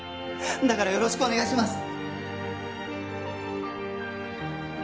だからよろしくお願いします。